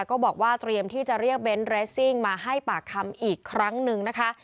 ก็บอกว่าเตรียมที่จะเรียกเบนท์เรสซิ่งมาให้ปากคำอีกครั้งหนึ่งนะคะ